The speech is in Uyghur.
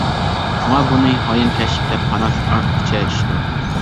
شۇڭا بۇنى ھايانكەشلىك دەپ قاراش ئارتۇقچە ئىشتۇر.